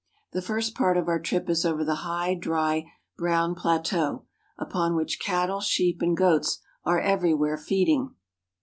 The first part of our trip is over the high, dry, brown plateau, upon which cattle, sheep, and goats are every where feeding.